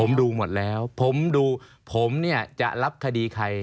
ผมดูหมดแล้วผมดูผมเนี่ยจะรับคดีใคร